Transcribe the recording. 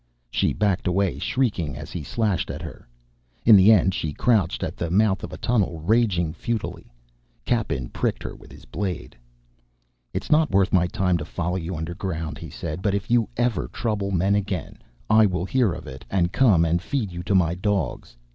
She backed away, shrieking as he slashed at her. In the end, she crouched at the mouth of a tunnel, raging futilely. Cappen pricked her with his blade. "It is not worth my time to follow you down underground," he said, "but if ever you trouble men again, I will hear of it and come and feed you to my dogs.